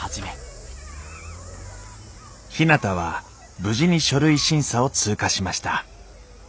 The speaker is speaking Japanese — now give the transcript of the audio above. ひなたは無事に書類審査を通過しました。